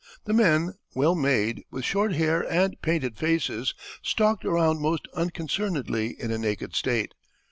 The men, well made, with short hair and painted faces, stalked around most unconcernedly in a naked state.